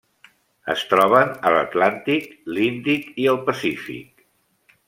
Es troben a l'Atlàntic, l'Índic i el Pacífic.